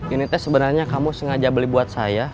unitnya sebenarnya kamu sengaja beli buat saya